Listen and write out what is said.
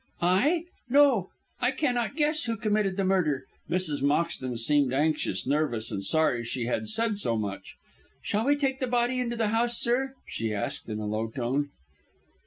"I! No. I cannot guess who committed the murder." Mrs. Moxton seemed anxious, nervous, and sorry she had said so much. "Shall we take the body into the house, sir?" she asked in a low tone.